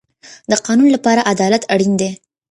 د قانون لپاره عدالت اړین دی